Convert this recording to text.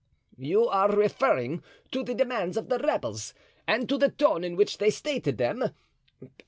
"You are referring to the demands of the rebels and to the tone in which they stated them?